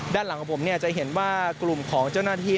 ด้านหลังของผมจะเห็นว่ากลุ่มของเจ้าหน้าที่